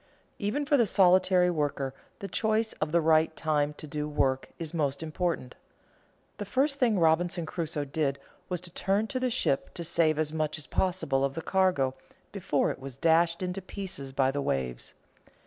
_ Even for the solitary worker the choice of the right time to do work is most important. The first thing Robinson Crusoe did was to turn to the ship to save as much as possible of the cargo before it was dashed in pieces by the waves.